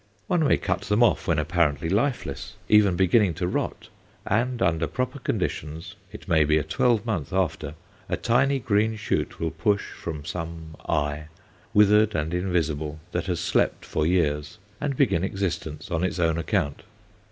One may cut them off when apparently lifeless, even beginning to rot, and under proper conditions it may be a twelvemonth after a tiny green shoot will push from some "eye," withered and invisible, that has slept for years, and begin existence on its own account.